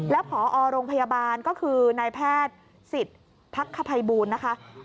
แล้วพอโรงพยาบาลก็คือนายแพทย์สิทธิ์พักขภัยบูลนะคะ